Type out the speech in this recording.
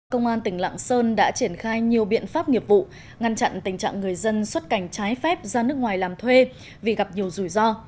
công an tỉnh lạng sơn đã triển khai nhiều biện pháp nghiệp vụ ngăn chặn tình trạng người dân xuất cảnh trái phép ra nước ngoài làm thuê vì gặp nhiều rủi ro